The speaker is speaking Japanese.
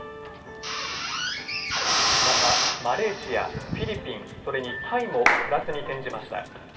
また、マレーシア、フィリピン、それにタイもプラスに転じました。